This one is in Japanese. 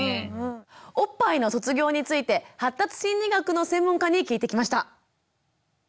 おっぱいの卒業について発達心理学の専門家に聞いてきました。